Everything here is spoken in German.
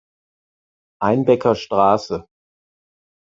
Einbecker Str.